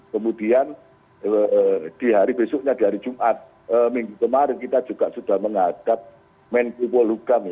kemudian di hari besoknya di hari jumat minggu kemarin kita juga sudah mengadat menkubo lugam ya